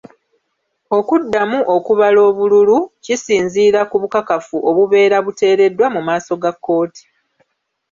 Okuddamu okubala obululu kisinziira ku bukakafu obubeera buteereddwa mu maaso ga kkooti.